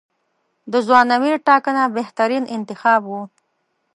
د ځوان امیر ټاکنه بهترین انتخاب و.